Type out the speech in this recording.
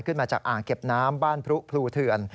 ขึ้นมาจากอ่างเก็บน้ำบ้านพรุพลูเถื่อน